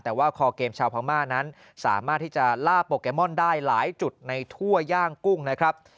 แต่ว่าคอเกมชาวพม่านั้นสามารถที่จะล่าโปเกมอนได้หลายจุดในทั่วย่างกุ้งนะครับ